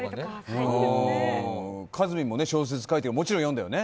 かずみんも小説書いてもちろん読んだよね？